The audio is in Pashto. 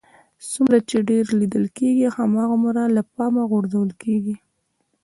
څومره چې ډېر لیدل کېږئ هغومره له پامه غورځول کېږئ